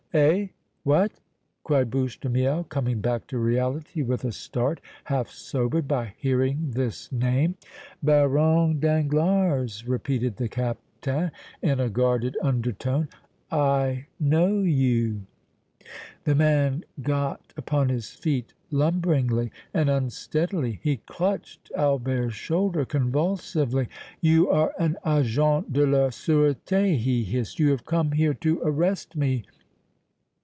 "Eh? What?" cried Bouche de Miel, coming back to reality with a start, half sobered by hearing this name. "Baron Danglars," repeated the Captain, in a guarded undertone, "I know you!" The man got upon his feet lumberingly and unsteadily; he clutched Albert's shoulder convulsively. "You are an Agent de la Sureté!" he hissed. "You have come here to arrest me!"